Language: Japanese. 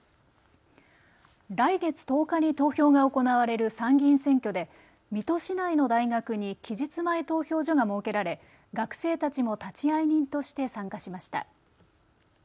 来月１０日に投票が行われる参議院選挙で水戸市内の大学に期日前投票所が設けられ学生たちも立会人として参加しました。